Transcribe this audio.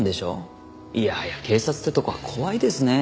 いやはや警察ってとこは怖いですね。